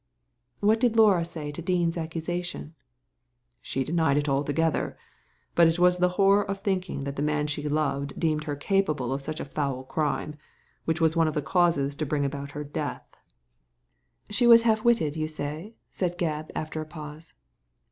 "What did Laura say to Dean's accusation?" *' She denied it altogether. But it was the horror of thinking that the man she loved deemed her capable of such a foul crime which was one of the causes to bring about her death." Digitized by Google 72 THE LADY FROM NOWHERE "She was half witted, you say?" said Gebb, after a pause.